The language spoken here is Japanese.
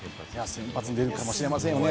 出るかもしれませんね。